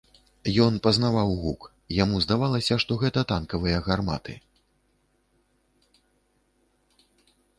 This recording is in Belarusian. Ён пазнаваў гук, яму здавалася, што гэта танкавыя гарматы.